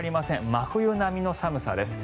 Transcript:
真冬並みの寒さです。